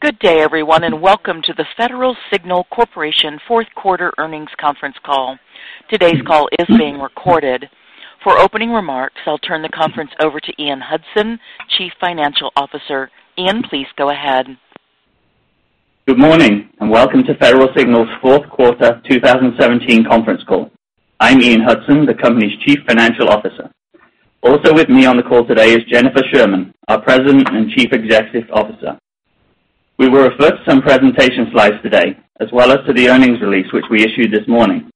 Good day everyone, welcome to the Federal Signal Corporation fourth quarter earnings conference call. Today's call is being recorded. For opening remarks, I'll turn the conference over to Ian Hudson, Chief Financial Officer. Ian, please go ahead. Good morning, welcome to Federal Signal's fourth quarter 2017 conference call. I'm Ian Hudson, the company's Chief Financial Officer. Also with me on the call today is Jennifer Sherman, our President and Chief Executive Officer. We will refer to some presentation slides today, as well as to the earnings release, which we issued this morning.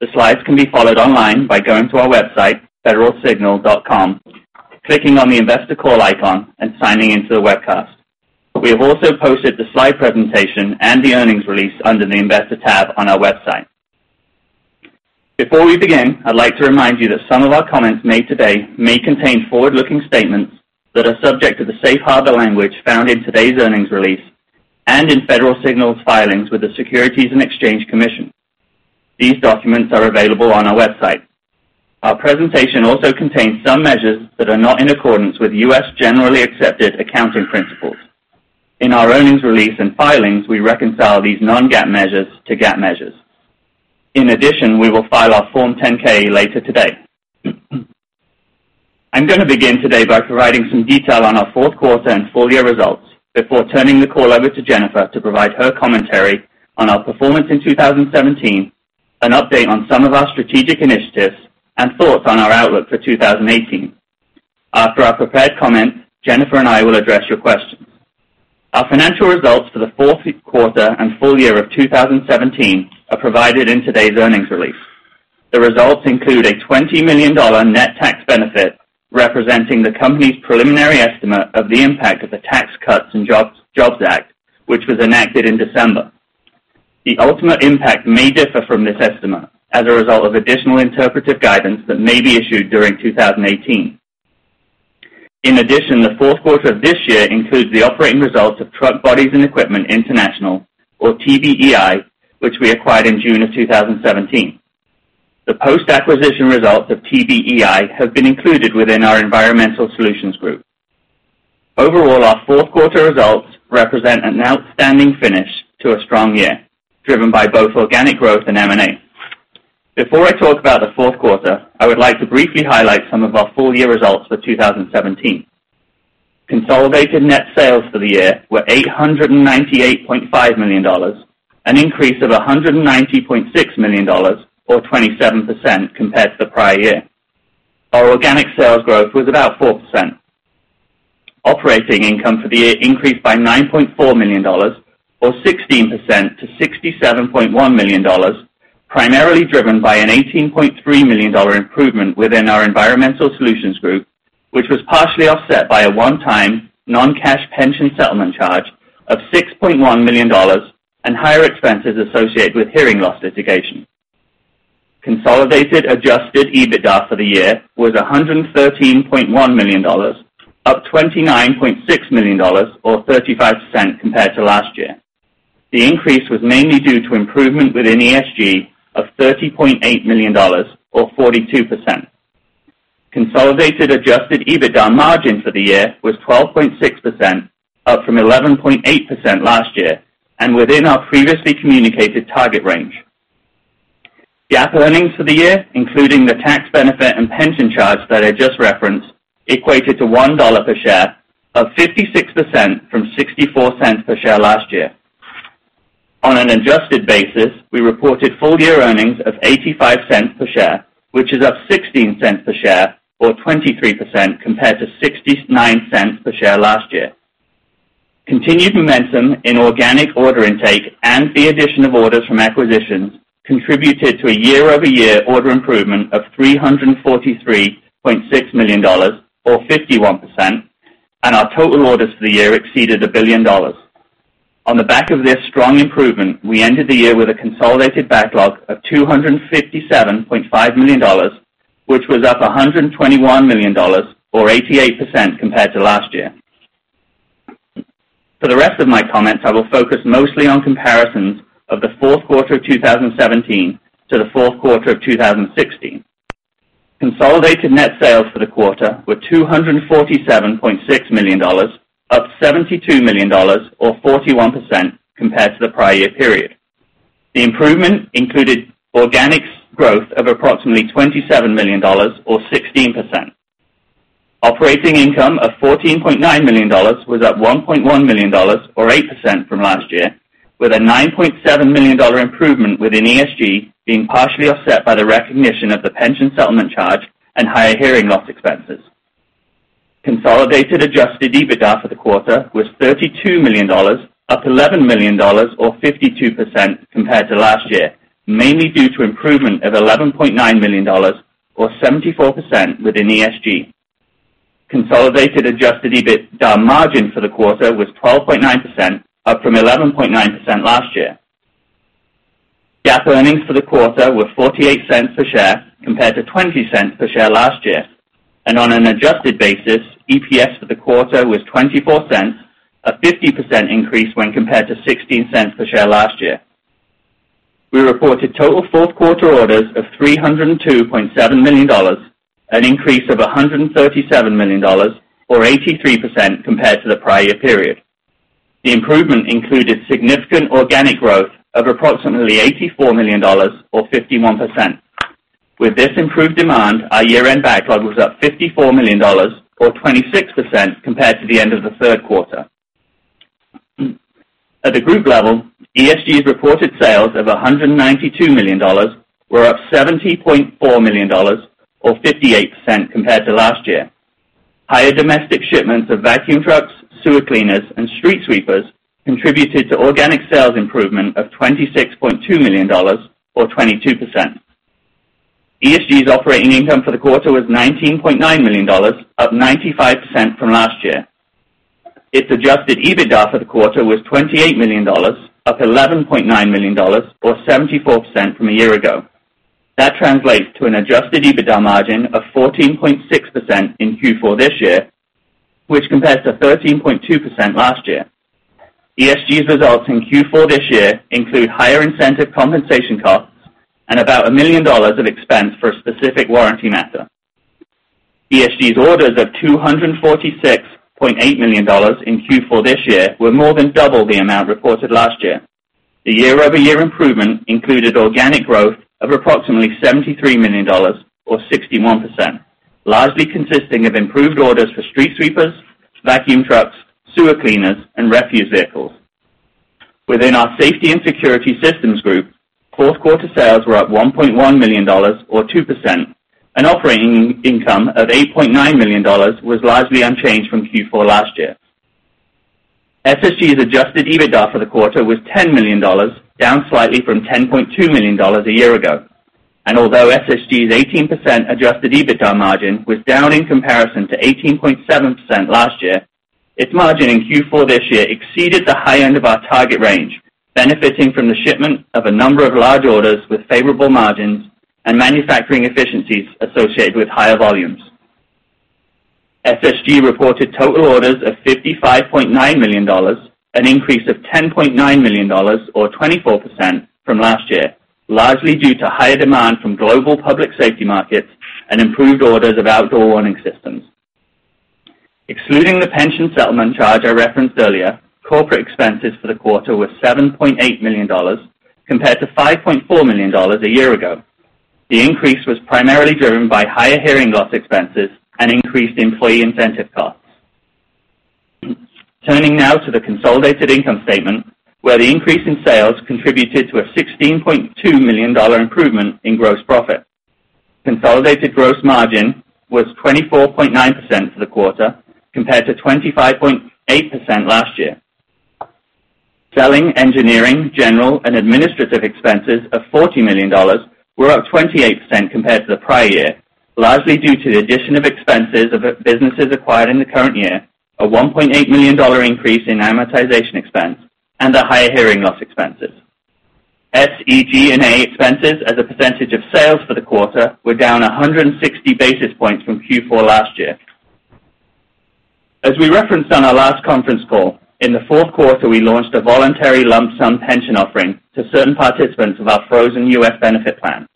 The slides can be followed online by going to our website, federalsignal.com, clicking on the investor call icon, and signing in to the webcast. We have also posted the slide presentation and the earnings release under the investor tab on our website. Before we begin, I'd like to remind you that some of our comments made today may contain forward-looking statements that are subject to the safe harbor language found in today's earnings release and in Federal Signal's filings with the Securities and Exchange Commission. These documents are available on our website. Our presentation also contains some measures that are not in accordance with U.S. Generally Accepted Accounting Principles. In our earnings release and filings, we reconcile these non-GAAP measures to GAAP measures. In addition, we will file our Form 10-K later today. I'm going to begin today by providing some detail on our fourth quarter and full-year results before turning the call over to Jennifer to provide her commentary on our performance in 2017, an update on some of our strategic initiatives, and thoughts on our outlook for 2018. After our prepared comments, Jennifer and I will address your questions. Our financial results for the fourth quarter and full year of 2017 are provided in today's earnings release. The results include a $20 million net tax benefit, representing the company's preliminary estimate of the impact of the Tax Cuts and Jobs Act, which was enacted in December. The ultimate impact may differ from this estimate as a result of additional interpretive guidance that may be issued during 2018. In addition, the fourth quarter of this year includes the operating results of Truck Bodies and Equipment International, or TBEI, which we acquired in June of 2017. The post-acquisition results of TBEI have been included within our Environmental Solutions Group. Overall, our fourth quarter results represent an outstanding finish to a strong year, driven by both organic growth and M&A. Before I talk about the fourth quarter, I would like to briefly highlight some of our full-year results for 2017. Consolidated net sales for the year were $898.5 million, an increase of $190.6 million or 27% compared to the prior year. Our organic sales growth was about 4%. Operating income for the year increased by $9.4 million or 16% to $67.1 million, primarily driven by an $18.3 million improvement within our Environmental Solutions Group, which was partially offset by a one-time non-cash pension settlement charge of $6.1 million and higher expenses associated with hearing loss litigation. Consolidated adjusted EBITDA for the year was $113.1 million, up $29.6 million or 35% compared to last year. The increase was mainly due to improvement within ESG of $30.8 million or 42%. Consolidated adjusted EBITDA margin for the year was 12.6%, up from 11.8% last year and within our previously communicated target range. GAAP earnings for the year, including the tax benefit and pension charge that I just referenced, equated to $1 per share, up 56% from $0.64 per share last year. On an adjusted basis, we reported full-year earnings of $0.85 per share, which is up $0.16 per share or 23% compared to $0.69 per share last year. Continued momentum in organic order intake and the addition of orders from acquisitions contributed to a year-over-year order improvement of $343.6 million or 51%, and our total orders for the year exceeded $1 billion. On the back of this strong improvement, we ended the year with a consolidated backlog of $257.5 million, which was up $121 million or 88% compared to last year. For the rest of my comments, I will focus mostly on comparisons of the fourth quarter of 2017 to the fourth quarter of 2016. Consolidated net sales for the quarter were $247.6 million, up $72 million or 41% compared to the prior year period. The improvement included organics growth of approximately $27 million or 16%. Operating income of $14.9 million was up $1.1 million or 8% from last year, with a $9.7 million improvement within ESG being partially offset by the recognition of the pension settlement charge and higher hearing loss expenses. Consolidated adjusted EBITDA for the quarter was $32 million, up $11 million or 52% compared to last year, mainly due to improvement of $11.9 million or 74% within ESG. Consolidated adjusted EBITDA margin for the quarter was 12.9%, up from 11.9% last year. GAAP earnings for the quarter were $0.48 per share compared to $0.20 per share last year. On an adjusted basis, EPS for the quarter was $0.24, a 50% increase when compared to $0.16 per share last year. We reported total fourth quarter orders of $302.7 million, an increase of $137 million or 83% compared to the prior period. The improvement included significant organic growth of approximately $84 million or 51%. With this improved demand, our year-end backlog was up $54 million or 26% compared to the end of the third quarter. At the group level, ESG's reported sales of $192 million were up $70.4 million or 58% compared to last year. Higher domestic shipments of vacuum trucks, sewer cleaners, and street sweepers contributed to organic sales improvement of $26.2 million or 22%. ESG's operating income for the quarter was $19.9 million, up 95% from last year. Its adjusted EBITDA for the quarter was $28 million, up $11.9 million or 74% from a year ago. That translates to an adjusted EBITDA margin of 14.6% in Q4 this year, which compares to 13.2% last year. ESG's results in Q4 this year include higher incentive compensation costs and about $1 million of expense for a specific warranty matter. ESG's orders of $246.8 million in Q4 this year were more than double the amount reported last year. The year-over-year improvement included organic growth of approximately $73 million or 61%, largely consisting of improved orders for street sweepers, vacuum trucks, sewer cleaners, and refuse vehicles. Within our Safety and Security Systems Group, fourth quarter sales were up $1.1 million or 2%, and operating income of $8.9 million was largely unchanged from Q4 last year. SSG's adjusted EBITDA for the quarter was $10 million, down slightly from $10.2 million a year ago. Although SSG's 18% adjusted EBITDA margin was down in comparison to 18.7% last year, its margin in Q4 this year exceeded the high end of our target range, benefiting from the shipment of a number of large orders with favorable margins and manufacturing efficiencies associated with higher volumes. SSG reported total orders of $55.9 million, an increase of $10.9 million or 24% from last year, largely due to higher demand from global public safety markets and improved orders of outdoor warning systems. Excluding the pension settlement charge I referenced earlier, corporate expenses for the quarter were $7.8 million compared to $5.4 million a year ago. The increase was primarily driven by higher hearing loss expenses and increased employee incentive costs. Turning now to the consolidated income statement, where the increase in sales contributed to a $16.2 million improvement in gross profit. Consolidated gross margin was 24.9% for the quarter, compared to 25.8% last year. Selling, Engineering, General, and Administrative Expenses of $40 million were up 28% compared to the prior year, largely due to the addition of expenses of businesses acquired in the current year, a $1.8 million increase in amortization expense, and the higher hearing loss expenses. SG&A expenses as a percentage of sales for the quarter were down 160 basis points from Q4 last year. As we referenced on our last conference call, in the fourth quarter, we launched a voluntary lump sum pension offering to certain participants of our frozen U.S. benefit plan.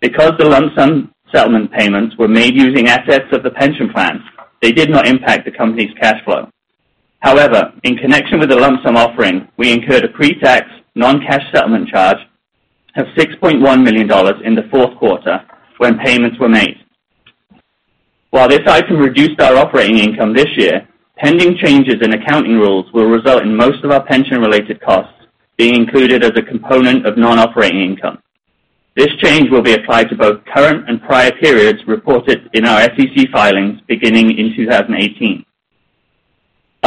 Because the lump sum settlement payments were made using assets of the pension plan, they did not impact the company's cash flow. However, in connection with the lump sum offering, we incurred a pre-tax, non-cash settlement charge of $6.1 million in the fourth quarter when payments were made. While this item reduced our operating income this year, pending changes in accounting rules will result in most of our pension-related costs being included as a component of non-operating income. This change will be applied to both current and prior periods reported in our SEC filings beginning in 2018.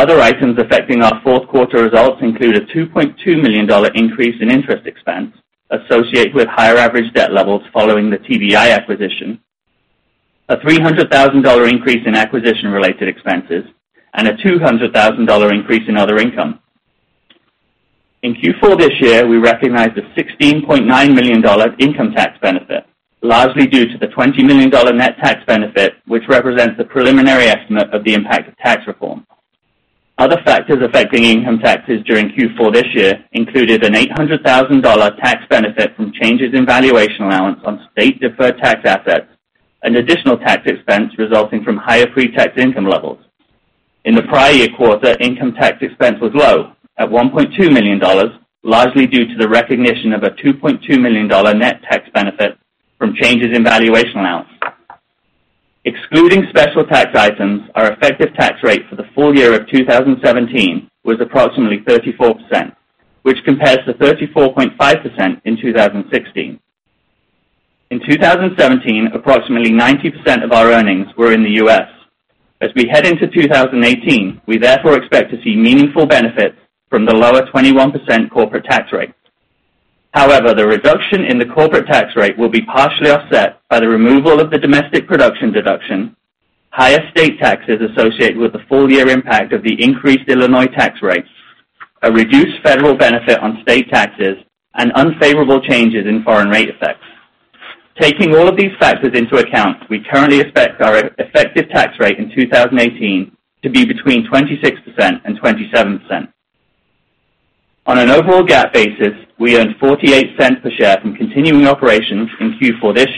Other items affecting our fourth quarter results include a $2.2 million increase in interest expense associated with higher average debt levels following the TBEI acquisition, a $300,000 increase in acquisition-related expenses, and a $200,000 increase in other income. In Q4 this year, we recognized a $16.9 million income tax benefit, largely due to the $20 million net tax benefit, which represents the preliminary estimate of the impact of tax reform. Other factors affecting income taxes during Q4 this year included an $800,000 tax benefit from changes in valuation allowance on state deferred tax assets, an additional tax expense resulting from higher pre-tax income levels. In the prior year quarter, income tax expense was low at $1.2 million, largely due to the recognition of a $2.2 million net tax benefit from changes in valuation allowance. Excluding special tax items, our effective tax rate for the full year of 2017 was approximately 34%, which compares to 34.5% in 2016. In 2017, approximately 90% of our earnings were in the U.S. As we head into 2018, we therefore expect to see meaningful benefits from the lower 21% corporate tax rate. However, the reduction in the corporate tax rate will be partially offset by the removal of the domestic production deduction, higher state taxes associated with the full year impact of the increased Illinois tax rates, a reduced federal benefit on state taxes, and unfavorable changes in foreign rate effects. Taking all of these factors into account, we currently expect our effective tax rate in 2018 to be between 26% and 27%. On an overall GAAP basis, we earned $0.48 per share from continuing operations in Q4 this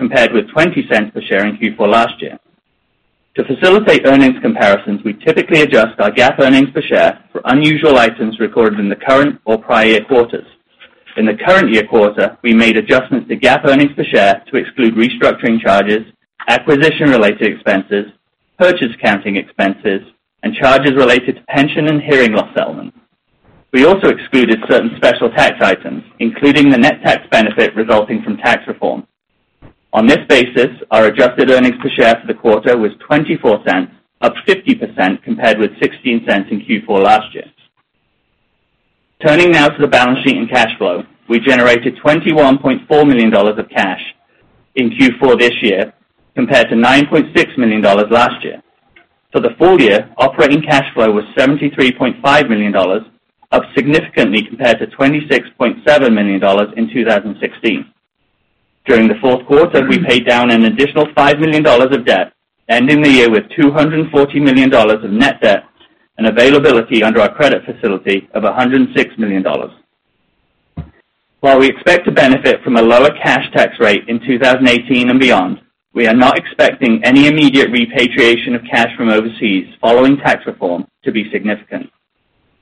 year, compared with $0.20 per share in Q4 last year. To facilitate earnings comparisons, we typically adjust our GAAP earnings per share for unusual items recorded in the current or prior year quarters. In the current year quarter, we made adjustments to GAAP earnings per share to exclude restructuring charges, acquisition-related expenses, purchase accounting expenses, and charges related to pension and hearing loss settlements. We also excluded certain special tax items, including the net tax benefit resulting from tax reform. On this basis, our adjusted earnings per share for the quarter was $0.24, up 50% compared with $0.16 in Q4 last year. Turning now to the balance sheet and cash flow. We generated $21.4 million of cash in Q4 this year, compared to $9.6 million last year. For the full year, operating cash flow was $73.5 million, up significantly compared to $26.7 million in 2016. During the fourth quarter, we paid down an additional $5 million of debt, ending the year with $240 million of net debt and availability under our credit facility of $106 million. While we expect to benefit from a lower cash tax rate in 2018 and beyond, we are not expecting any immediate repatriation of cash from overseas following tax reform to be significant.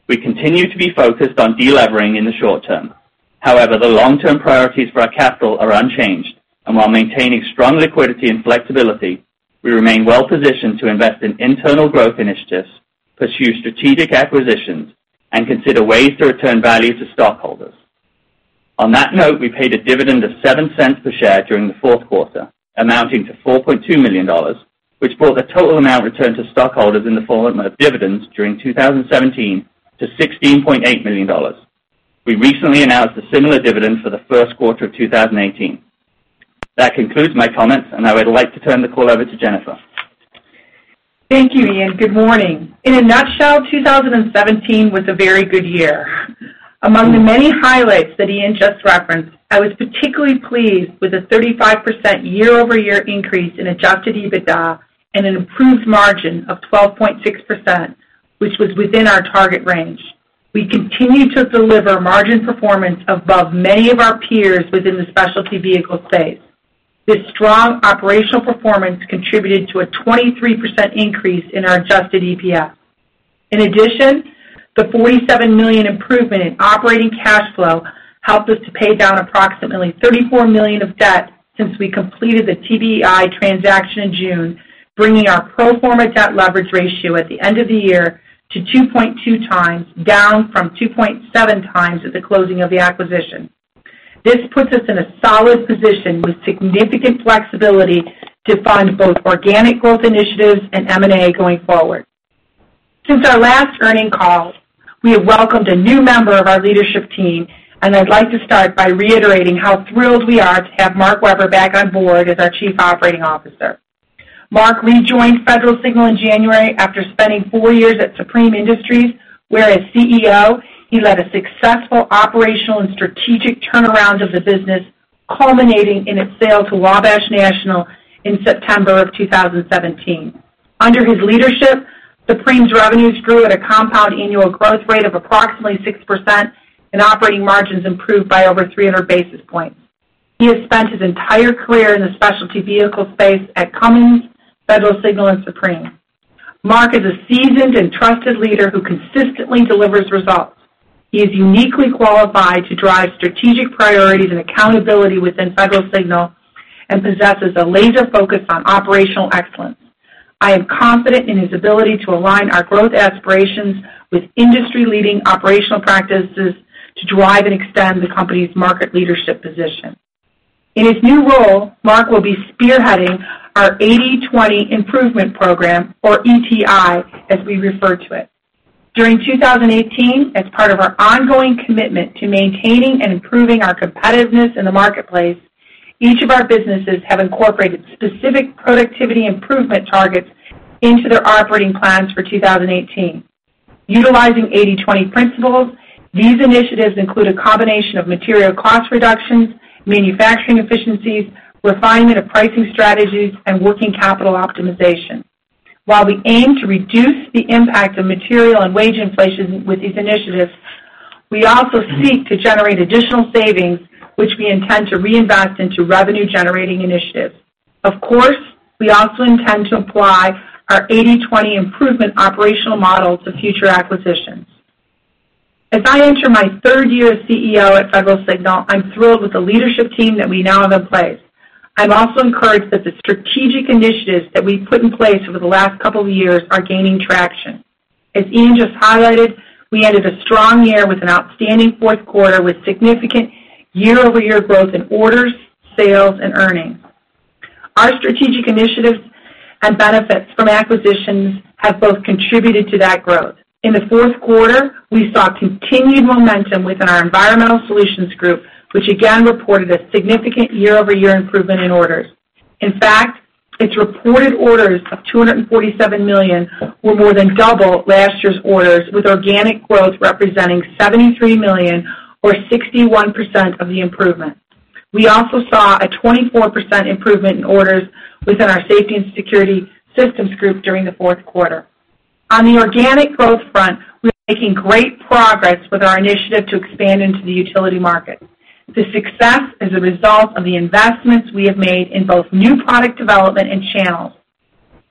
We continue to be focused on de-levering in the short term. However, the long-term priorities for our capital are unchanged, and while maintaining strong liquidity and flexibility, we remain well-positioned to invest in internal growth initiatives, pursue strategic acquisitions, and consider ways to return value to stockholders. On that note, we paid a dividend of $0.07 per share during the fourth quarter, amounting to $4.2 million, which brought the total amount returned to stockholders in the form of dividends during 2017 to $16.8 million. We recently announced a similar dividend for the first quarter of 2018. That concludes my comments, and I would like to turn the call over to Jennifer. Thank you, Ian. Good morning. In a nutshell, 2017 was a very good year. Among the many highlights that Ian just referenced, I was particularly pleased with the 35% year-over-year increase in adjusted EBITDA and an improved margin of 12.6%, which was within our target range. We continue to deliver margin performance above many of our peers within the specialty vehicle space. This strong operational performance contributed to a 23% increase in our adjusted EPS. In addition, the $47 million improvement in operating cash flow helped us to pay down approximately $34 million of debt since we completed the TBEI transaction in June, bringing our pro forma debt leverage ratio at the end of the year to 2.2 times, down from 2.7 times at the closing of the acquisition. This puts us in a solid position with significant flexibility to fund both organic growth initiatives and M&A going forward. Since our last earnings call, we have welcomed a new member of our leadership team. I'd like to start by reiterating how thrilled we are to have Mark Weber back on board as our Chief Operating Officer. Mark rejoined Federal Signal in January after spending four years at Supreme Industries, where as CEO, he led a successful operational and strategic turnaround of the business, culminating in its sale to Wabash National in September of 2017. Under his leadership, Supreme's revenues grew at a compound annual growth rate of approximately 6%, and operating margins improved by over 300 basis points. He has spent his entire career in the specialty vehicle space at Cummins, Federal Signal, and Supreme. Mark is a seasoned and trusted leader who consistently delivers results. He is uniquely qualified to drive strategic priorities and accountability within Federal Signal and possesses a laser focus on operational excellence. I am confident in his ability to align our growth aspirations with industry-leading operational practices to drive and extend the company's market leadership position. In his new role, Mark will be spearheading our 80/20 improvement program or ETI, as we refer to it. During 2018, as part of our ongoing commitment to maintaining and improving our competitiveness in the marketplace, each of our businesses have incorporated specific productivity improvement targets into their operating plans for 2018. Utilizing 80/20 principles, these initiatives include a combination of material cost reductions, manufacturing efficiencies, refinement of pricing strategies, and working capital optimization. While we aim to reduce the impact of material and wage inflation with these initiatives, we also seek to generate additional savings, which we intend to reinvest into revenue-generating initiatives. Of course, we also intend to apply our 80/20 improvement operational model to future acquisitions. As I enter my third year as CEO at Federal Signal, I'm thrilled with the leadership team that we now have in place. As Ian just highlighted, we ended a strong year with an outstanding fourth quarter with significant year-over-year growth in orders, sales, and earnings. Our strategic initiatives and benefits from acquisitions have both contributed to that growth. In the fourth quarter, we saw continued momentum within our Environmental Solutions Group, which again reported a significant year-over-year improvement in orders. In fact, its reported orders of $247 million were more than double last year's orders, with organic growth representing $73 million, or 61% of the improvement. We also saw a 24% improvement in orders within our Safety and Security Systems Group during the fourth quarter. On the organic growth front, we are making great progress with our initiative to expand into the utility market. This success is a result of the investments we have made in both new product development and channels.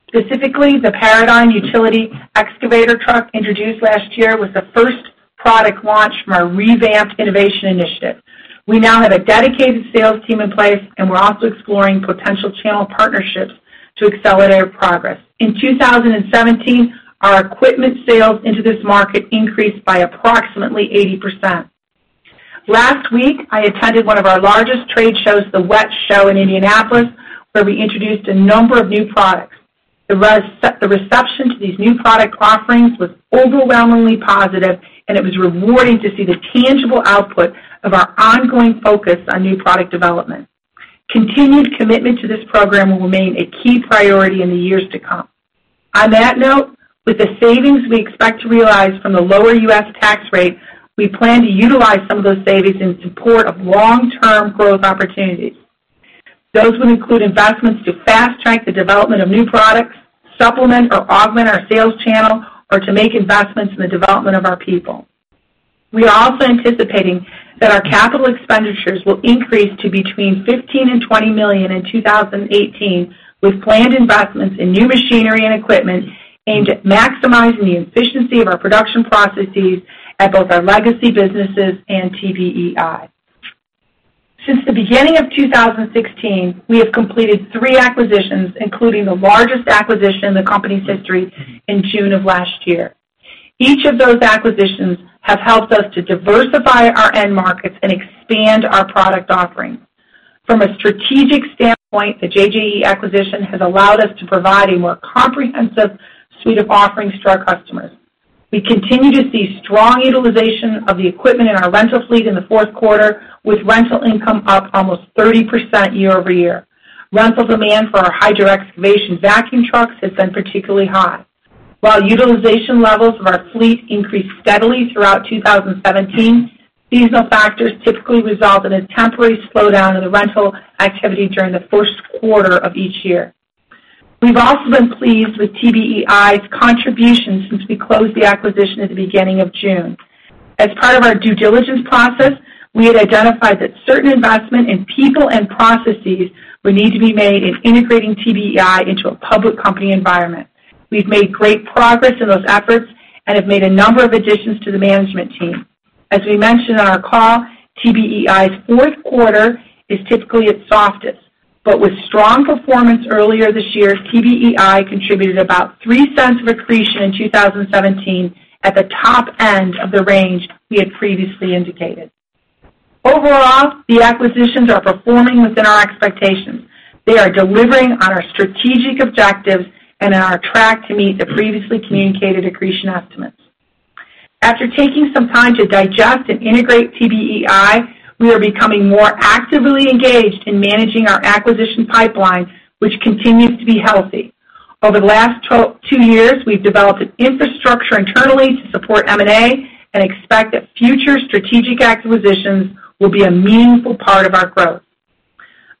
Specifically, the Paradigm utility excavator truck introduced last year was the first product launch from our revamped innovation initiative. We now have a dedicated sales team in place, and we are also exploring potential channel partnerships to accelerate our progress. In 2017, our equipment sales into this market increased by approximately 80%. Last week, I attended one of our largest trade shows, the WWETT show in Indianapolis, where we introduced a number of new products. The reception to these new product offerings was overwhelmingly positive, and it was rewarding to see the tangible output of our ongoing focus on new product development. Continued commitment to this program will remain a key priority in the years to come. On that note, with the savings we expect to realize from the lower U.S. tax rate, we plan to utilize some of those savings in support of long-term growth opportunities. Those would include investments to fast-track the development of new products, supplement or augment our sales channel, or to make investments in the development of our people. We are also anticipating that our CapEx will increase to between $15 million and $20 million in 2018, with planned investments in new machinery and equipment aimed at maximizing the efficiency of our production processes at both our legacy businesses and TBEI. Since the beginning of 2016, we have completed three acquisitions, including the largest acquisition in the company's history in June of last year. Each of those acquisitions have helped us to diversify our end markets and expand our product offerings. From a strategic standpoint, the JJE acquisition has allowed us to provide a more comprehensive suite of offerings to our customers. We continue to see strong utilization of the equipment in our rental fleet in the fourth quarter, with rental income up almost 30% year-over-year. Rental demand for our hydro-excavation vacuum trucks has been particularly high. While utilization levels of our fleet increased steadily throughout 2017, seasonal factors typically result in a temporary slowdown of the rental activity during the first quarter of each year. We have also been pleased with TBEI's contributions since we closed the acquisition at the beginning of June. As part of our due diligence process, we had identified that certain investment in people and processes would need to be made in integrating TBEI into a public company environment. We have made great progress in those efforts and have made a number of additions to the management team. As we mentioned on our call, TBEI's fourth quarter is typically its softest, but with strong performance earlier this year, TBEI contributed about $0.03 of accretion in 2017 at the top end of the range we had previously indicated. Overall, the acquisitions are performing within our expectations. They are delivering on our strategic objectives and are on track to meet the previously communicated accretion estimates. After taking some time to digest and integrate TBEI, we are becoming more actively engaged in managing our acquisition pipeline, which continues to be healthy. Over the last two years, we have developed an infrastructure internally to support M&A and expect that future strategic acquisitions will be a meaningful part of our growth.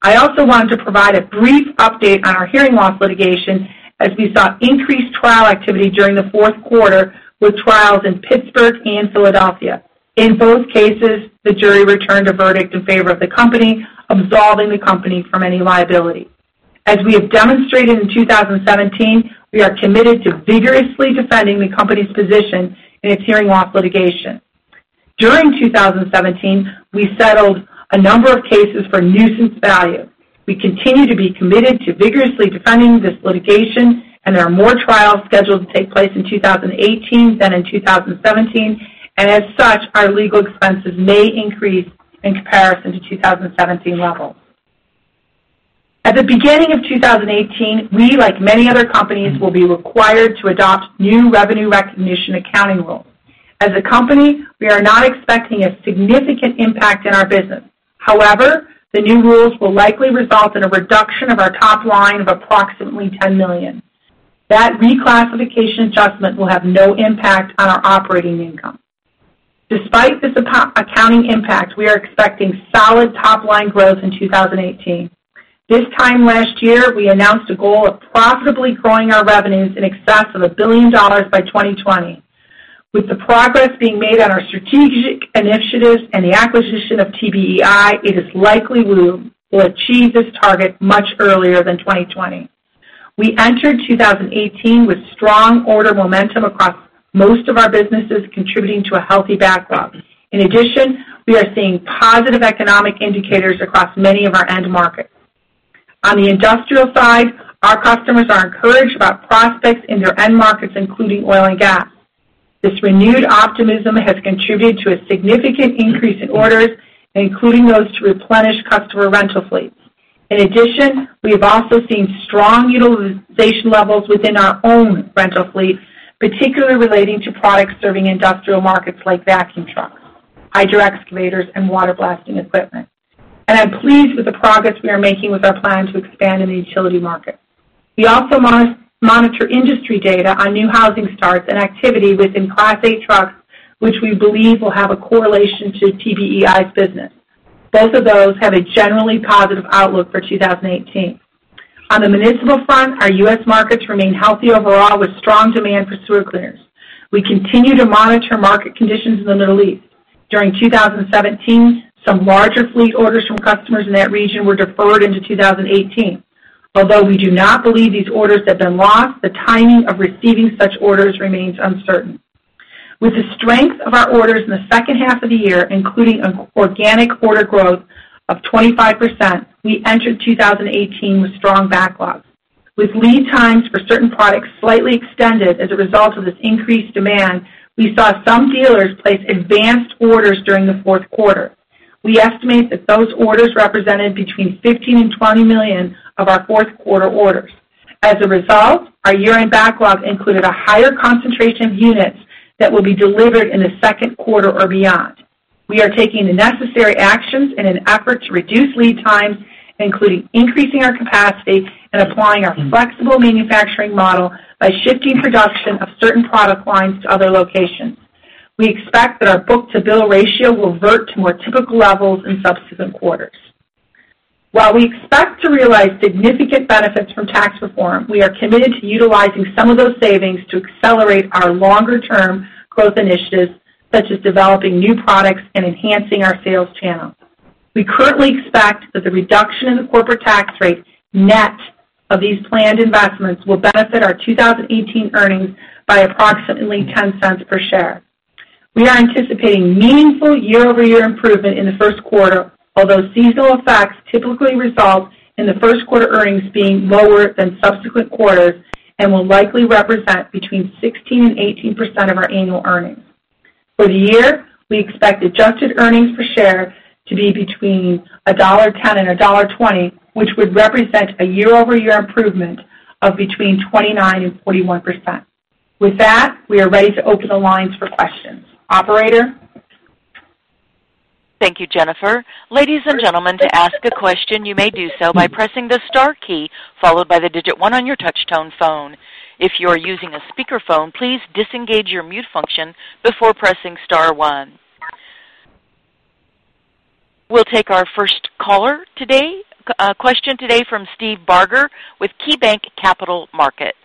I also wanted to provide a brief update on our hearing loss litigation as we saw increased trial activity during the fourth quarter, with trials in Pittsburgh and Philadelphia. In both cases, the jury returned a verdict in favor of the company, absolving the company from any liability. As we have demonstrated in 2017, we are committed to vigorously defending the company's position in its hearing loss litigation. During 2017, we settled a number of cases for nuisance value. We continue to be committed to vigorously defending this litigation. There are more trials scheduled to take place in 2018 than in 2017. As such, our legal expenses may increase in comparison to 2017 levels. At the beginning of 2018, we, like many other companies, will be required to adopt new revenue recognition accounting rules. As a company, we are not expecting a significant impact in our business. However, the new rules will likely result in a reduction of our top line of approximately $10 million. That reclassification adjustment will have no impact on our operating income. Despite this accounting impact, we are expecting solid top-line growth in 2018. This time last year, we announced a goal of profitably growing our revenues in excess of $1 billion by 2020. With the progress being made on our strategic initiatives and the acquisition of TBEI, it is likely we will achieve this target much earlier than 2020. We entered 2018 with strong order momentum across most of our businesses, contributing to a healthy backlog. In addition, we are seeing positive economic indicators across many of our end markets. On the industrial side, our customers are encouraged about prospects in their end markets, including oil and gas. This renewed optimism has contributed to a significant increase in orders, including those to replenish customer rental fleets. In addition, we have also seen strong utilization levels within our own rental fleet, particularly relating to products serving industrial markets like vacuum trucks, hydro excavators and water blasting equipment. I'm pleased with the progress we are making with our plan to expand in the utility market. We also monitor industry data on new housing starts and activity within Class 8 trucks, which we believe will have a correlation to TBEI's business. Both of those have a generally positive outlook for 2018. On the municipal front, our U.S. markets remain healthy overall, with strong demand for sewer cleaners. We continue to monitor market conditions in the Middle East. During 2017, some larger fleet orders from customers in that region were deferred into 2018. Although we do not believe these orders have been lost, the timing of receiving such orders remains uncertain. With the strength of our orders in the second half of the year, including an organic order growth of 25%, we entered 2018 with strong backlogs. With lead times for certain products slightly extended as a result of this increased demand, we saw some dealers place advanced orders during the fourth quarter. We estimate that those orders represented between $15 million-$20 million of our fourth quarter orders. As a result, our year-end backlogs included a higher concentration of units that will be delivered in the second quarter or beyond. We are taking the necessary actions in an effort to reduce lead times, including increasing our capacity and applying our flexible manufacturing model by shifting production of certain product lines to other locations. We expect that our book-to-bill ratio will revert to more typical levels in subsequent quarters. While we expect to realize significant benefits from tax reform, we are committed to utilizing some of those savings to accelerate our longer-term growth initiatives, such as developing new products and enhancing our sales channel. We currently expect that the reduction in the corporate tax rate, net of these planned investments, will benefit our 2018 earnings by approximately $0.10 per share. We are anticipating meaningful year-over-year improvement in the first quarter, although seasonal effects typically result in the first quarter earnings being lower than subsequent quarters and will likely represent between 16% and 18% of our annual earnings. For the year, we expect adjusted earnings per share to be between $1.10 and $1.20, which would represent a year-over-year improvement of between 29% and 41%. With that, we are ready to open the lines for questions. Operator? Thank you, Jennifer. Ladies and gentlemen, to ask a question, you may do so by pressing the star key, followed by the digit one on your touch-tone phone. If you are using a speakerphone, please disengage your mute function before pressing star one. We will take our first question today from Steve Barger with KeyBanc Capital Markets.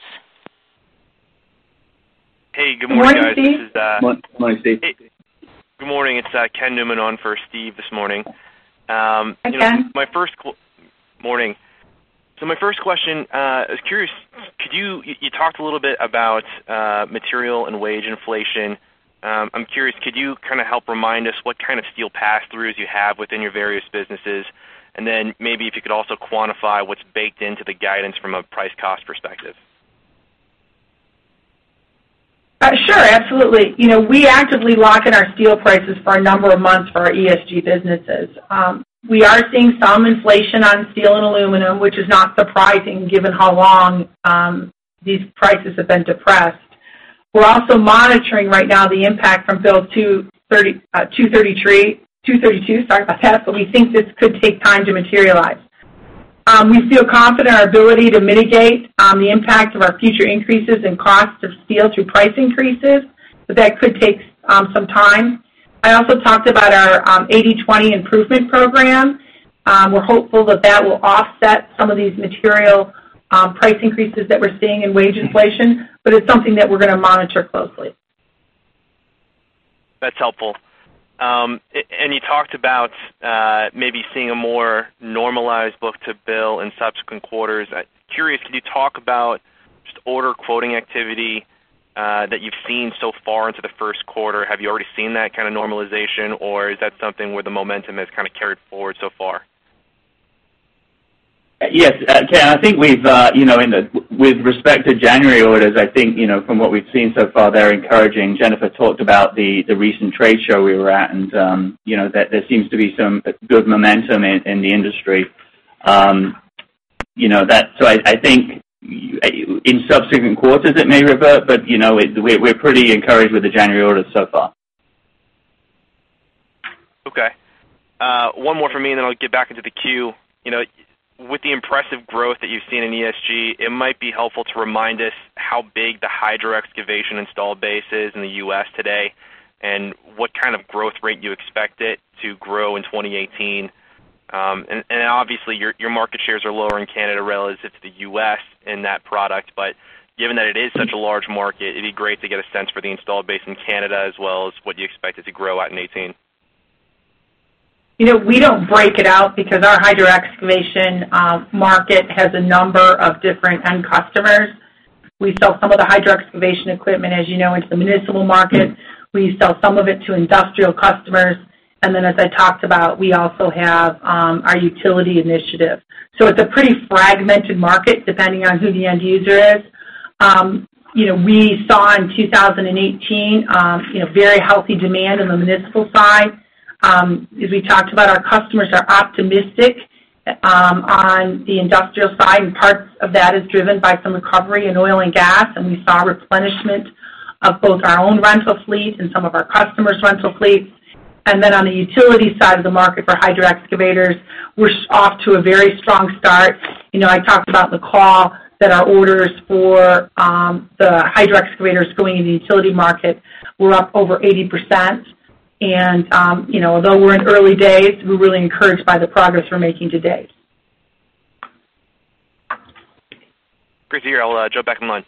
Hey, good morning, guys. Good morning, Steve. Good morning, Steve. Good morning. Ken Newman on for Steve this morning. Hi, Ken. Morning. My first question, you talked a little bit about material and wage inflation. I'm curious, could you kind of help remind us what kind of steel pass-throughs you have within your various businesses? Maybe if you could also quantify what's baked into the guidance from a price cost perspective. Sure, absolutely. We actively lock in our steel prices for a number of months for our ESG businesses. We are seeing some inflation on steel and aluminum, which is not surprising given how long these prices have been depressed. We're also monitoring right now the impact from Section 232, We think this could take time to materialize. We feel confident in our ability to mitigate the impact of our future increases in costs of steel through price increases, That could take some time. I also talked about our 80/20 improvement program. We're hopeful that that will offset some of these material price increases that we're seeing in wage inflation, It's something that we're going to monitor closely. That's helpful. You talked about maybe seeing a more normalized book-to-bill in subsequent quarters. Curious, could you talk about just order quoting activity that you've seen so far into the first quarter? Have you already seen that kind of normalization, or is that something where the momentum has kind of carried forward so far? Yes, Ken, I think with respect to January orders, I think from what we've seen so far, they're encouraging. Jennifer talked about the recent trade show we were at, and there seems to be some good momentum in the industry. I think in subsequent quarters, it may revert, but we're pretty encouraged with the January orders so far. Okay. One more from me, and then I'll get back into the queue. With the impressive growth that you've seen in ESG, it might be helpful to remind us how big the hydro excavation installed base is in the U.S. today and what kind of growth rate you expect it to grow in 2018. Obviously, your market shares are lower in Canada relative to the U.S. in that product. Given that it is such a large market, it'd be great to get a sense for the installed base in Canada as well as what you expect it to grow at in 2018? We don't break it out because our hydro excavation market has a number of different end customers. We sell some of the hydro excavation equipment, as you know, into the municipal market. We sell some of it to industrial customers. As I talked about, we also have our utility initiative. It's a pretty fragmented market, depending on who the end user is. We saw in 2018 very healthy demand on the municipal side As we talked about, our customers are optimistic on the industrial side, and parts of that is driven by some recovery in oil and gas. We saw replenishment of both our own rental fleet and some of our customers' rental fleets. On the utility side of the market for hydro excavators, we're off to a very strong start. I talked about in the call that our orders for the hydro excavators going in the utility market were up over 80%. Although we're in early days, we're really encouraged by the progress we're making today. Great to hear. I'll jump back in line.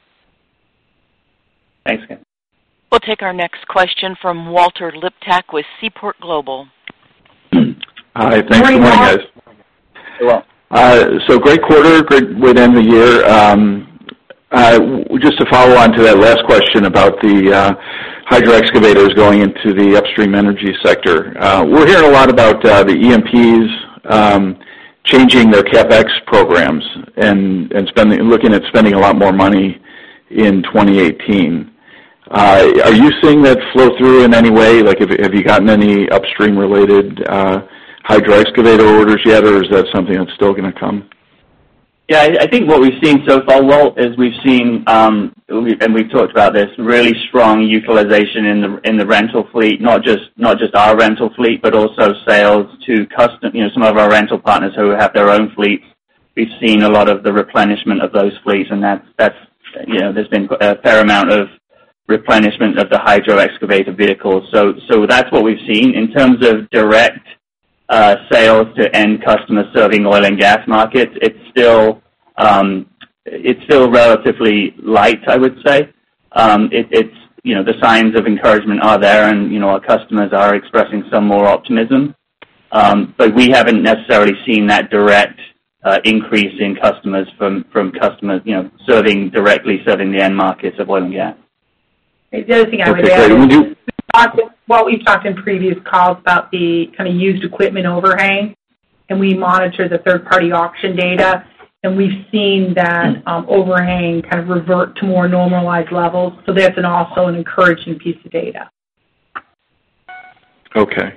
Thanks again. We'll take our next question from Walter Liptak with Seaport Global. Good morning, Walt. Hello. Great quarter. Great way to end the year. Just to follow on to that last question about the hydro excavators going into the upstream energy sector. We're hearing a lot about the E&Ps changing their CapEx programs and looking at spending a lot more money in 2018. Are you seeing that flow through in any way? Have you gotten any upstream-related hydro excavator orders yet, or is that something that's still going to come? I think what we've seen so far, Walt, is we've seen, and we've talked about this, really strong utilization in the rental fleet. Not just our rental fleet, but also sales to some of our rental partners who have their own fleets. We've seen a lot of the replenishment of those fleets, and there's been a fair amount of replenishment of the hydro excavator vehicles. That's what we've seen. In terms of direct sales to end customers serving oil and gas markets, it's still relatively light, I would say. The signs of encouragement are there, and our customers are expressing some more optimism. We haven't necessarily seen that direct increase in customers from customers directly serving the end markets of oil and gas. The other thing I would add. Okay. Well, we've talked in previous calls about the used equipment overhang, and we monitor the third-party auction data, and we've seen that overhang revert to more normalized levels. That's also an encouraging piece of data. Okay.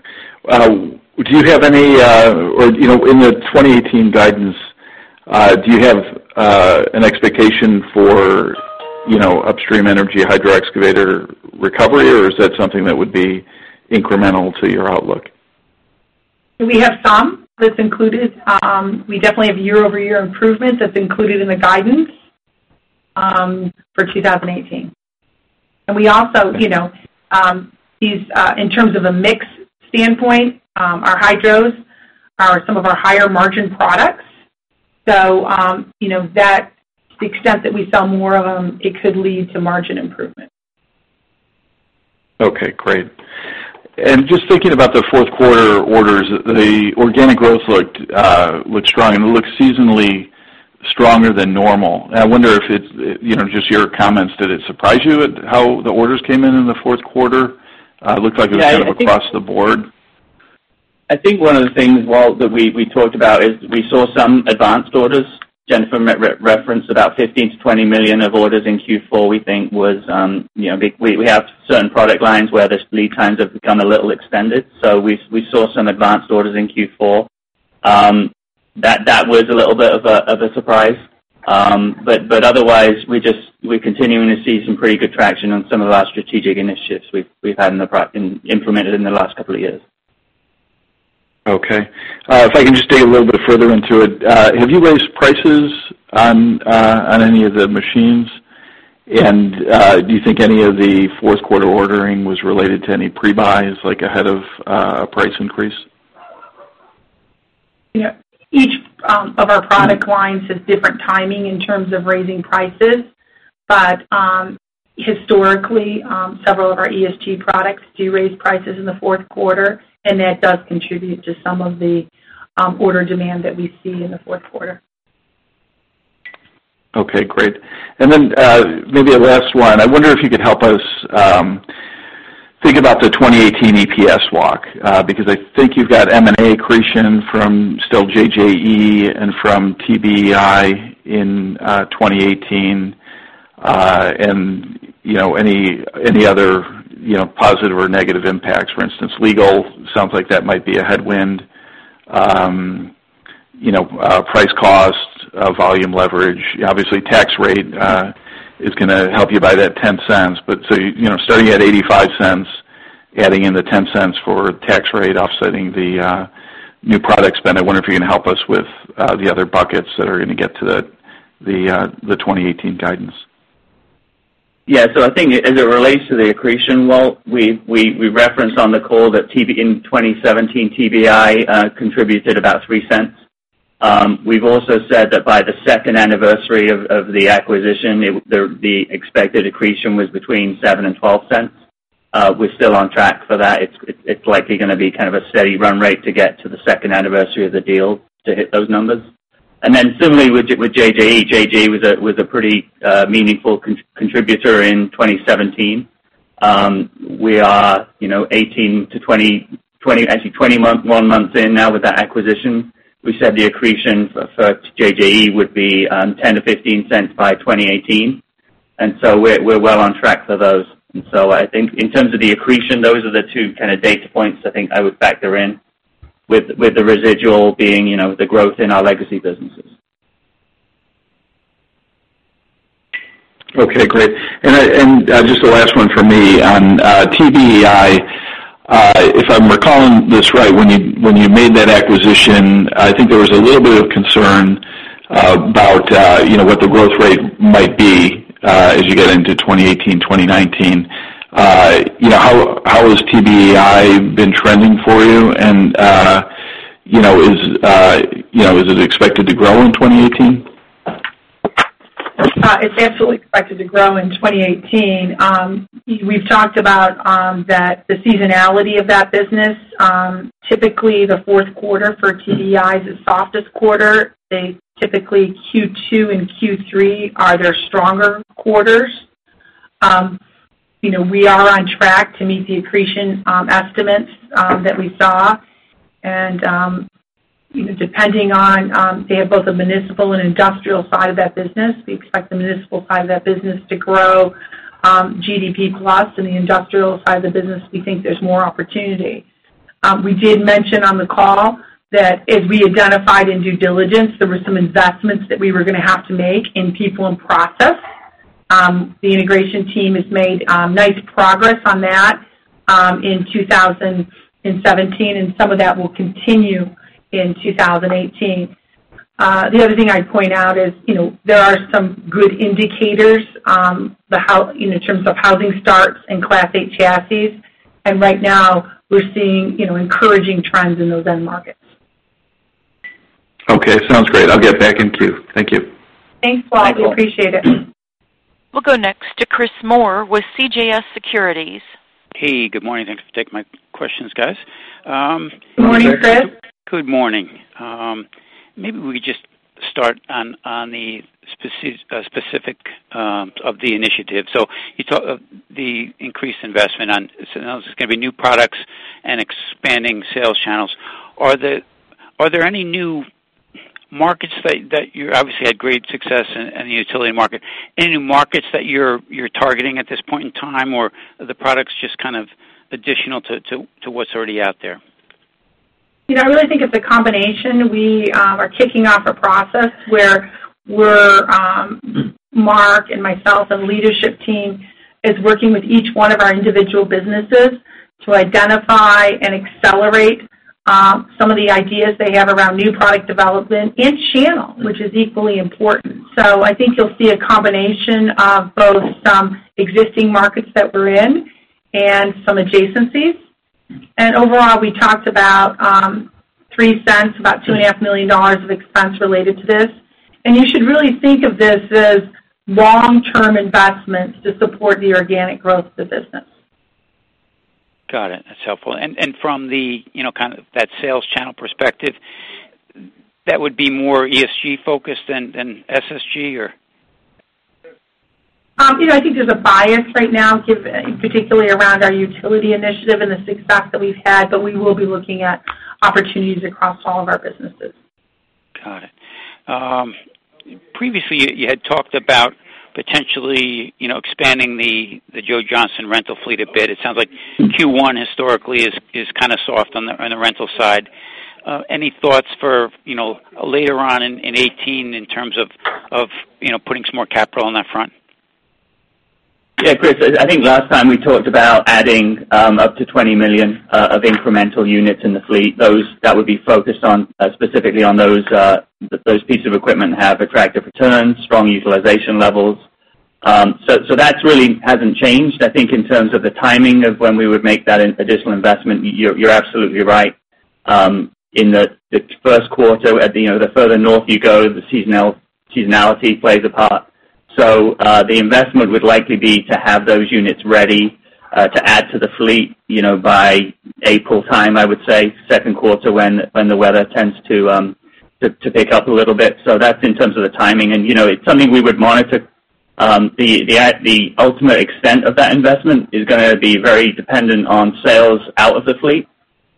In the 2018 guidance, do you have an expectation for upstream energy hydro excavator recovery, or is that something that would be incremental to your outlook? We have some that's included. We definitely have year-over-year improvement that's included in the guidance for 2018. In terms of a mix standpoint, our hydros are some of our higher margin products. To the extent that we sell more of them, it could lead to margin improvement. Okay, great. Just thinking about the fourth quarter orders, the organic growth looked strong, and it looked seasonally stronger than normal. I wonder, just your comments, did it surprise you at how the orders came in in the fourth quarter? Looked like it was sort of across the board. I think one of the things, Walt, that we talked about is we saw some advanced orders. Jennifer referenced about $15 million-$20 million of orders in Q4, we think. We have certain product lines where the lead times have become a little extended. We saw some advanced orders in Q4. That was a little bit of a surprise. Otherwise, we're continuing to see some pretty good traction on some of our strategic initiatives we've implemented in the last couple of years. Okay. If I can just dig a little bit further into it, have you raised prices on any of the machines? Do you think any of the fourth quarter ordering was related to any pre-buys, like ahead of a price increase? Each of our product lines has different timing in terms of raising prices. Historically, several of our ESG products do raise prices in the fourth quarter, and that does contribute to some of the order demand that we see in the fourth quarter. Okay, great. Maybe a last one. I wonder if you could help us think about the 2018 EPS walk, because I think you've got M&A accretion from still JJE and from TBEI in 2018. Any other positive or negative impacts? For instance, legal sounds like that might be a headwind. Price cost, volume leverage. Obviously, tax rate is going to help you by that $0.10. Starting at $0.85, adding in the $0.10 for tax rate offsetting the new product spend, I wonder if you can help us with the other buckets that are going to get to the 2018 guidance. Yeah. I think as it relates to the accretion, Walt, we referenced on the call that in 2017, TBEI contributed about $0.03. We've also said that by the second anniversary of the acquisition, the expected accretion was between $0.07 and $0.12. We're still on track for that. It's likely going to be a steady run rate to get to the second anniversary of the deal to hit those numbers. Similarly with JJE. JJE was a pretty meaningful contributor in 2017. We are 21 months in now with that acquisition. We said the accretion for JJE would be $0.10-$0.15 by 2018. We're well on track for those. I think in terms of the accretion, those are the two kind of data points I think I would factor in with the residual being the growth in our legacy businesses. Okay, great. Just the last one from me on TBEI. If I'm recalling this right, when you made that acquisition, I think there was a little bit of concern about what the growth rate might be as you get into 2018, 2019. How has TBEI been trending for you? Is it expected to grow in 2018? It's absolutely expected to grow in 2018. We've talked about that the seasonality of that business. Typically, the fourth quarter for TBEI is the softest quarter. Typically Q2 and Q3 are their stronger quarters. We are on track to meet the accretion estimates that we saw. Depending on, they have both a municipal and industrial side of that business, we expect the municipal side of that business to grow GDP plus. In the industrial side of the business, we think there's more opportunity. We did mention on the call that as we identified in due diligence, there were some investments that we were going to have to make in people and process. The integration team has made nice progress on that in 2017, and some of that will continue in 2018. The other thing I'd point out is there are some good indicators in terms of housing starts and Class 8 chassis. Right now we're seeing encouraging trends in those end markets. Okay, sounds great. I'll get back in queue. Thank you. Thanks, Walter. We appreciate it. We'll go next to Chris Moore with CJS Securities. Good morning. Thanks for taking my questions, guys. Good morning, Chris. Good morning. Maybe we could just start on the specific of the initiative. You talk of the increased investment on, now this is going to be new products and expanding sales channels. Are there any new markets that obviously had great success in the utility market. Any new markets that you're targeting at this point in time, or are the products just kind of additional to what's already out there? I really think it's a combination. We are kicking off a process where Mark and myself and leadership team is working with each one of our individual businesses to identify and accelerate some of the ideas they have around new product development and channel, which is equally important. I think you'll see a combination of both some existing markets that we're in and some adjacencies. Overall, we talked about $0.03, about $2.5 million of expense related to this. You should really think of this as long-term investments to support the organic growth of the business. Got it. That's helpful. From that sales channel perspective, that would be more ESG focused than SSG, or? I think there's a bias right now, particularly around our utility initiative and the success that we've had, but we will be looking at opportunities across all of our businesses. Got it. Previously, you had talked about potentially expanding the Joe Johnson rental fleet a bit. It sounds like Q1 historically is kind of soft on the rental side. Any thoughts for later on in 2018 in terms of putting some more capital on that front? Yeah, Chris, I think last time we talked about adding up to $20 million of incremental units in the fleet. That would be focused on specifically on those pieces of equipment have attractive returns, strong utilization levels. That really hasn't changed. I think in terms of the timing of when we would make that additional investment, you're absolutely right. In the first quarter, the further north you go, the seasonality plays a part. The investment would likely be to have those units ready to add to the fleet by April time, I would say, second quarter when the weather tends to pick up a little bit. That's in terms of the timing. It's something we would monitor. The ultimate extent of that investment is going to be very dependent on sales out of the fleet.